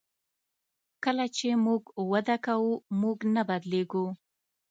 کله چې موږ وده کوو موږ نه بدلیږو.